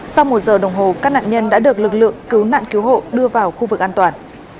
sau một giờ đồng hồ các nạn nhân đã được lực lượng cứu nạn cứu hộ đưa vào khu vực an toàn